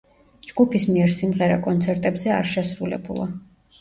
ჯგუფის მიერ სიმღერა კონცერტებზე არ შესრულებულა.